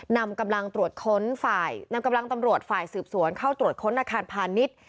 นำกำลังตรวจค้นฝ่ายนำกำลังตำรวจฝ่ายสืบสวนเข้าตรวจค้นอาคารพาณิชย์